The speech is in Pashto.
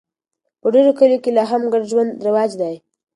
په ډېرو کلیو کې لا هم ګډ ژوند رواج دی.